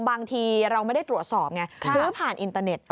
บางทีเราไม่ได้ตรวจสอบไงซื้อผ่านอินเตอร์เน็ต